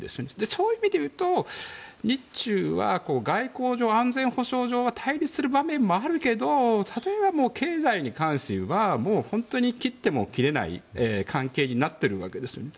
そういう意味で言うと日中は外交上、安全保障上は対立する場面もあるけど経済に関してはもう本当に切っても切れない関係になっているわけですよね。